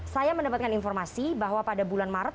saya mendapatkan informasi bahwa pada bulan maret